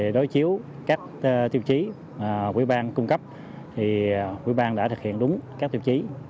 đối chiếu các tiêu chí quý bang cung cấp thì quý bang đã thực hiện đúng các tiêu chí